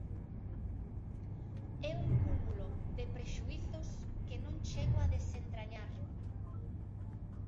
É un cúmulo de prexuízos que non chego a desentrañar.